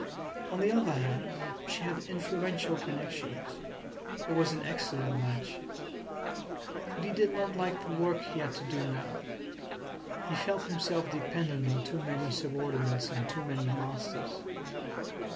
On the other hand, she had influential connections. It was an excellent match. But he did not like the work he had to do now. He felt himself dependent on too many subordinates and too many masters.